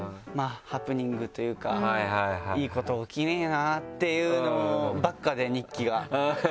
ハプニングというかいいこと起きねえなぁっていうのばっかで日記が。